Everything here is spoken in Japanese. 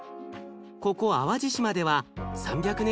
ここ淡路島では３００年